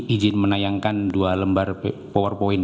izin menayangkan dua lembar powerpoint